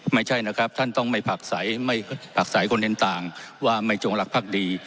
ไม่ใช่นะครับท่านต้องไม่ผลักใสคนเห็นต่างว่าไม่จงรักภักดี